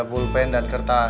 pulpen dan kertas